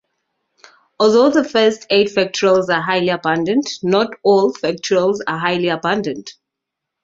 Although the first eight factorials are highly abundant, not all factorials are highly abundant.